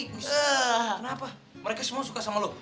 bisa kenapa mereka semua suka sama lo